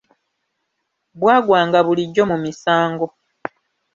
Bwagwanga bulijjo mu misango.